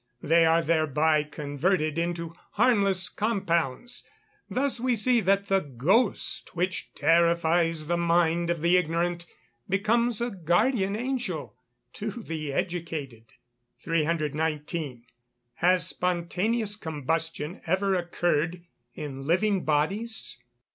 They are thereby converted into harmless compounds. Thus we see that the "ghost" which terrifies the mind of the ignorant, becomes a "guardian angel" to the educated. 319. _Has spontaneous combustion ever occurred in living bodies?